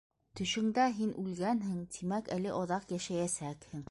Төшөңдә һин үлгәнһең, тимәк, әле оҙаҡ йәшәйәсәкһең.